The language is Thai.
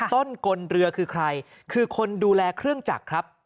ต้นกลเรือคือใครคือคนดูแลเครื่องจักรครับ